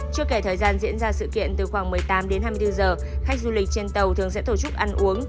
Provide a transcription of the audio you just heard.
chưa kể thời gian diễn ra sự kiện từ khoảng một mươi tám đến hai mươi bốn giờ khách du lịch trên tàu thường sẽ tổ chức ăn uống